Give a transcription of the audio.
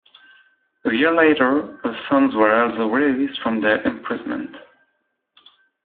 A year later, her sons were also released from their imprisonment.